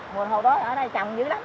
mùa hồi đó ở đây trồng dữ lắm